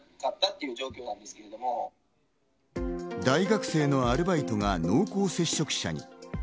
大学生のアルバイトが濃厚接触者に。